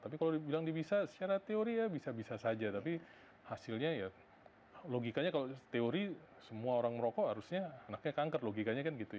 tapi kalau dibilang bisa secara teori ya bisa bisa saja tapi hasilnya ya logikanya kalau teori semua orang merokok harusnya anaknya kanker logikanya kan gitu ya